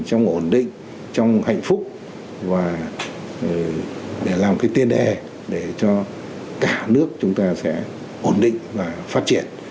trong ổn định trong hạnh phúc và để làm cái tiên đề để cho cả nước chúng ta sẽ ổn định và phát triển